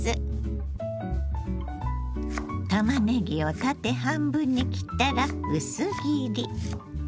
たまねぎを縦半分に切ったら薄切り。